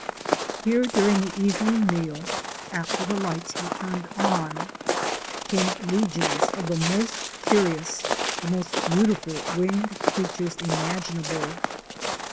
Here during the evening meal, after the lights were turned on, came legions of the most curious, the most beautiful winged creatures imaginable.